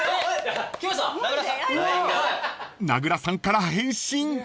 ［名倉さんから返信！］